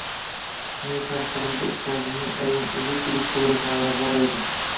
— Mening ham qo’limda ustozning ayrim uzuq-yuluq qo’lyozmalari bor xolos.